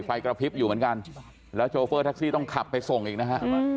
ไฟกระพริบอยู่เหมือนกันแล้วโชเฟอร์แท็กซี่ต้องขับไปส่งอีกนะฮะ